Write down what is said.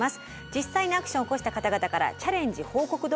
実際にアクションを起こした方々からチャレンジ報告動画を募集しています。